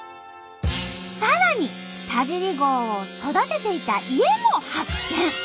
さらに田尻号を育てていた家も発見！